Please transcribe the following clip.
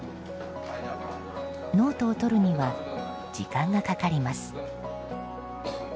ノートをとるには時間がかかります。